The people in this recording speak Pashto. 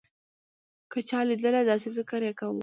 که چا لېدله داسې فکر يې کوو.